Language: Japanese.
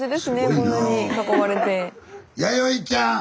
こんなに囲まれて。